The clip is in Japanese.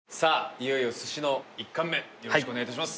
いよいよ寿司の１貫目よろしくお願いいたします